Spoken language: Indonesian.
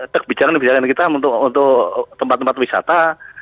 kebijakan kebijakan kita untuk tempat tempat wisata